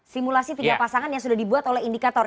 simulasi tiga pasangan yang sudah dibuat oleh indikator